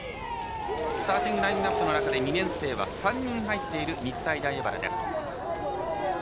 スターティングラインアップの中で２年生は３人入っている日体大荏原です。